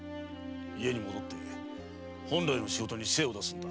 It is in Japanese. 家に戻って本来の仕事に精を出すんだ。